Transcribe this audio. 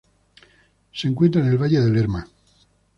Se encuentra en el Valle de Lerma.